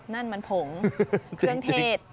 นั่นมันผงเครื่องเทศ